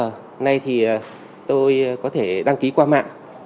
hôm nay thì tôi có thể đăng ký qua mạng